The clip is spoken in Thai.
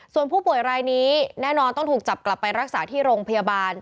ส่วนผู้ป่วยรายนี้แน่นอนต้องถูกจับกลับไปรักษาที่โรงพยาบาล